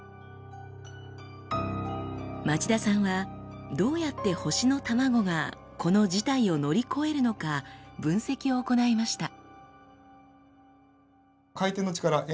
町田さんはどうやって星のタマゴがこの事態を乗り越えるのか分析を行いました。